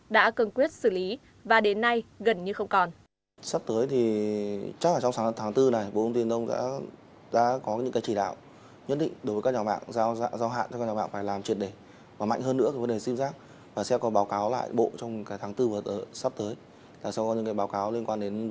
đã cương quyết xử lý và đến nay gần như không còn